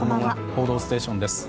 「報道ステーション」です。